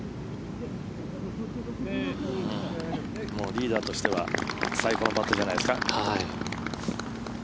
リーダーとしては最高のパットじゃないですか。